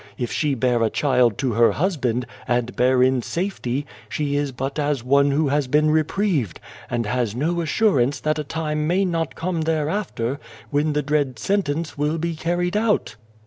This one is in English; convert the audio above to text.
If she bear a child to her husband, and bear in safety, she is but as one who has been reprieved ; and has no assurance that a time may not come thereafter when the dread sentence will be carried out.